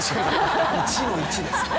１の１ですか。